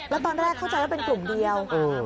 แล้วตอนแรกเข้าใจว่าเป็นกลุ่มเดียว